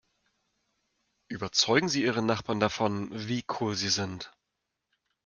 Überzeugen Sie Ihren Nachbarn davon, wie cool Sie sind!